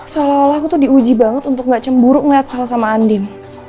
seolah olah aku tuh diuji banget untuk gak cemburu ngeliat sama sama andin